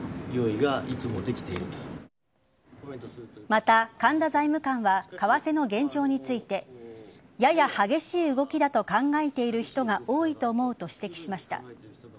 また、神田財務官は為替の現状についてやや激しい動きだと考えている人が多いと思うと指摘しました。